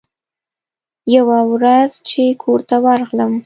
يوه ورځ چې کور ته ورغلم.